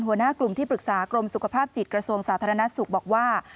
หัวหน้ากลุ่มที่ปรึกษากรมสุขภาพจิตกระทรวงสาธารณสุขบอกว่า